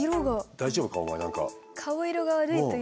大丈夫かお前何か。